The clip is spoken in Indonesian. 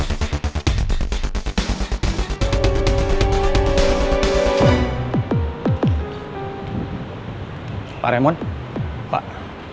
ibu kenapa diem aja bu